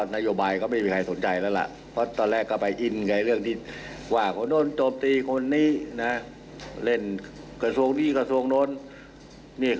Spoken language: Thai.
นี่ก็ไม่ใช่การดีเบตหรอก